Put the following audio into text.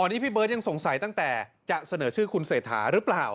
นี่พี่เบิร์ตยังสงสัยตั้งแต่จะเสนอชื่อคุณเศรษฐาหรือเปล่า